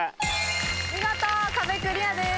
見事壁クリアです。